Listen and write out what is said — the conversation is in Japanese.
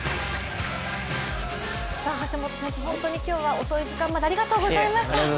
橋本選手、本当に今日は遅い時間までありがとうございました。